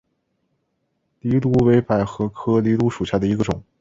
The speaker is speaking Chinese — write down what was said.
藜芦为百合科藜芦属下的一个种。